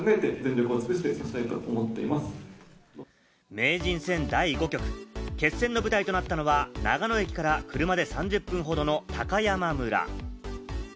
名人戦第５局、決戦の舞台となったのは長野駅から車で３０分ほどの高山村。